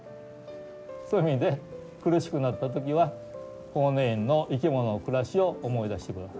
そういう意味で苦しくなった時は法然院の生き物の暮らしを思い出して下さい。